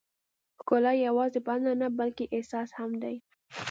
ښکلا یوازې بڼه نه، بلکې احساس هم دی.